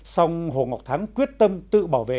xong hồ ngọc thắng quyết tâm tự bảo vệ